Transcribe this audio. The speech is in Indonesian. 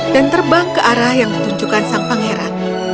dan terbang ke arah yang ditunjukkan sang pangeran